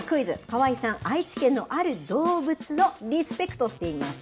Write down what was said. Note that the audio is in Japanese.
河合さん、愛知県のある動物をリスペクトしています。